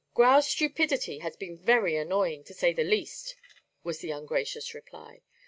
"Grau's stupidity has been very annoying, to say the least," was the ungracious reply.